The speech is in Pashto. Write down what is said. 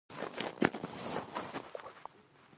ایا زه باید بولاني وخورم؟